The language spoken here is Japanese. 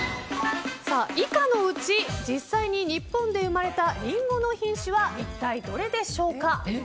以下のうち実際に日本で生まれたリンゴの品種は一体どれでしょうか。